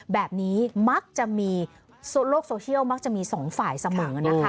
แบบนี้มักจะมีโลกโซเชียลมักจะมีสองฝ่ายเสมอนะคะ